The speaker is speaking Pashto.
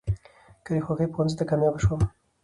،که د خوښې پوهنځۍ ته کاميابه نشم.